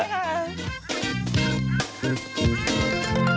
สวัสดีค่ะ